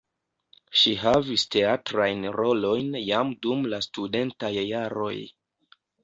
Ŝi havis teatrajn rolojn jam dum la studentaj jaroj.